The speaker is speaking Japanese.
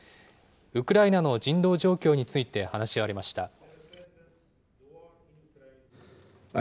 ウクライナの人道状況について話し合われました。